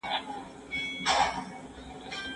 د ذمي وژونکی باید خامخا ووژل سي.